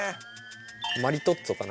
マリトッツォかな